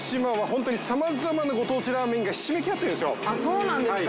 あっそうなんですか。